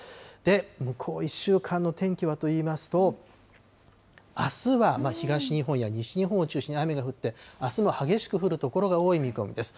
向こう１週間の天気はといいますと、あすは東日本や西日本を中心に雨が降って、あすも激しく降る所が多い見込みです。